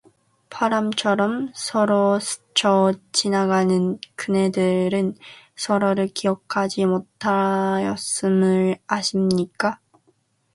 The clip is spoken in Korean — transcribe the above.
바람처럼 서로 스쳐 지나가는 그네들은 서로를 기억하지 못하였음을 아십니까.